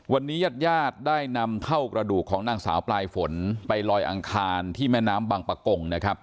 วันนี้ญาติญาติได้นำเท่ากระดูกของนางสาวปลายฝนไปลอยอังคารที่แม่น้ำบังปะกงนะครับ